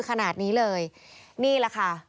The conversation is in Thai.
ขนาดนี้เลยนี่แหละค่ะ